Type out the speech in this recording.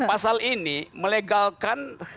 pasal ini melegalkan